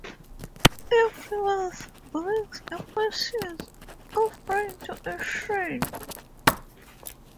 Everyone brings a portion of the grain to a shrine.